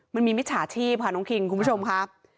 มันมีมิจฉาชีพค่ะน้องคิงคุณผู้ชมค่ะ